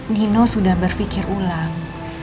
nino sudah berpikir ulang